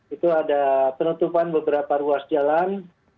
itu ada penutupan beberapa ruas jalan